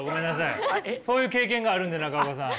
そういう経験があるんで中岡さん。